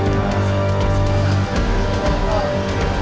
baik dan beim